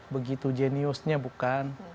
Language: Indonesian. begitu jeniusnya bukan